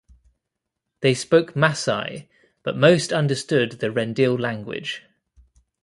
They spoke Masai but most understood the Rendille language.